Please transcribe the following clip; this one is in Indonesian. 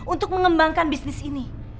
untuk mengembangkan bisnis ini